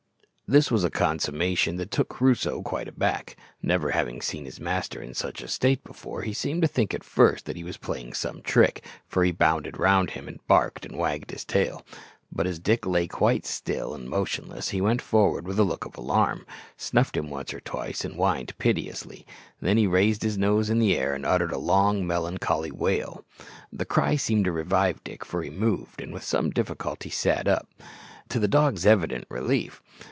This was a consummation that took Crusoe quite aback. Never having seen his master in such a state before he seemed to think at first that he was playing some trick, for he bounded round him, and barked, and wagged his tail. But as Dick lay quite still and motionless, he went forward with a look of alarm; snuffed him once or twice, and whined piteously; then he raised his nose in the air and uttered a long melancholy wail. The cry seemed to revive Dick, for he moved, and with some difficulty sat up, to the dog's evident relief.